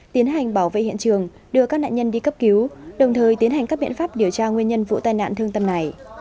tiến hành bảo vệ hiện trường đưa các nạn nhân đi cấp cứu đồng thời tiến hành các biện pháp điều tra nguyên nhân vụ tai nạn thương tâm này